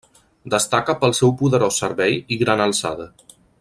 Destaca pel seu poderós servei i gran alçada.